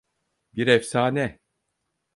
Bir efsane.